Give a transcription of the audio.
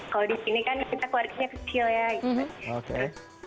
kalau di sini kan kita keluarganya kecil ya gitu kan